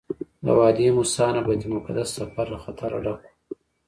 د وادي موسی نه بیت المقدس ته سفر له خطره ډک وو.